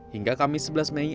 hingga kamis sebelas mei